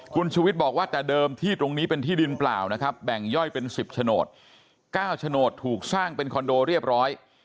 คุณชุวิตบอกว่าแต่เดิมที่ตรงนี้เป็นที่ดินเปล่านะครับแบ่งย่อยเป็น๑๐โฉนด๙โฉนดถูกสร้างเป็นคอนโดเรียบร้อย